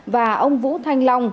và ông vũ thanh long